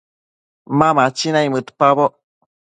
Ma machi naimëdpaboc